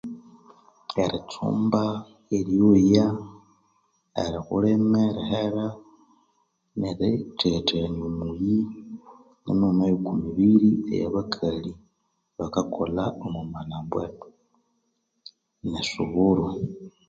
Eritsumba eryoya omulhimi nerihera ebyalya haima nesuburo